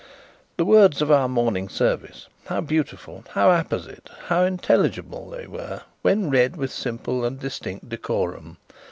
The words of our morning service, how beautiful, how apposite, how intelligible they were, when read with simple and distinct decorum!